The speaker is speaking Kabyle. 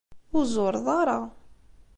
Ur zureḍ ara.